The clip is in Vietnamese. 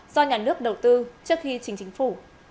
do nhà nước đầu tư trước khi chính chính phủ